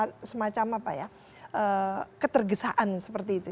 ada semacam apa ya ketergesaan seperti itu